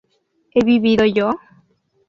¿he vivido yo?